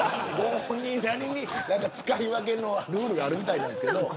本人なりに使い分けのルールがあるみたいなんですけど。